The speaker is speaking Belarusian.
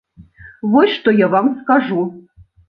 Вось што я вам скажу!